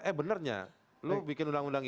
eh benarnya lu bikin undang undang